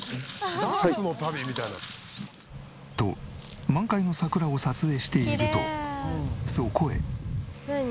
と満開の桜を撮影しているとそこへ。